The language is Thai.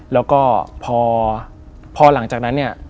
แล้วก็พอหลังจากนั้นเนี่ย